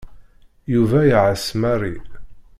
Yuba iɛess Mary.